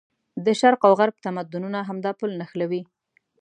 د شرق او غرب تمدونونه همدا پل نښلوي.